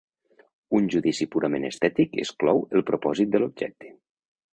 Un judici purament estètic exclou el propòsit de l'objecte.